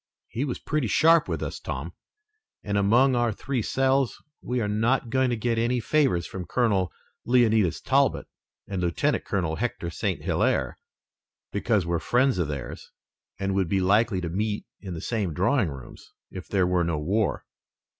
He was pretty sharp with us, Tom, and among our three selves, we are not going to get any favors from Colonel Leonidas Talbot and Lieutenant Colonel Hector St. Hilaire because we're friends of theirs and would be likely to meet in the same drawing rooms, if there were no war."